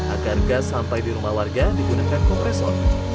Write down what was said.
agar gas sampai di rumah warga digunakan kompresor